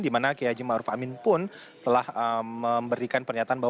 di mana kiai haji ma'ruf amin pun telah memberikan pernyataan